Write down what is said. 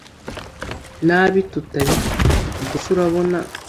nabi tutabipfa ubwo se urabona